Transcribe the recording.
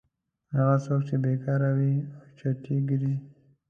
هغه څوک چې بېکاره وي او چټي ګرځي.